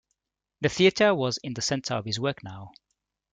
The theatre was in the centre of his work now.